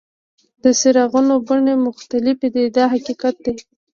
د څراغونو بڼې مختلفې دي دا حقیقت دی.